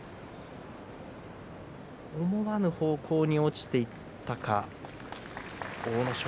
思わぬ方向に落ちていったか阿武咲。